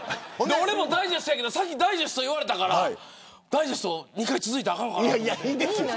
俺もダイジェストやけど先に言われたからダイジェスト２回続いたらあかんかなって。